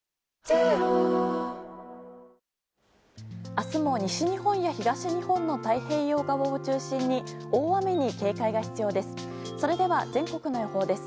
明日も西日本や東日本の太平洋側を中心に大雨に警戒が必要です。